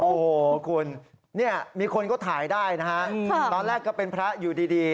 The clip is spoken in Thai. โอ้โหคุณเนี่ยมีคนก็ถ่ายได้นะฮะตอนแรกก็เป็นพระอยู่ดี